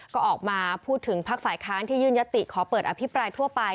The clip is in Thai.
ก็ออกมาพูดถึงพักฝ่ายค้านที่ยื่นยติขอเปิดอภิปรายทั่วไป